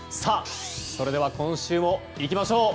それでは今週もいきましょう。